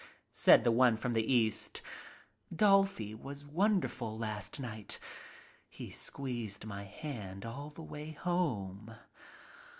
Said the one from the East : "Dolfy was wonderful last night. He squeezed my handball the way home."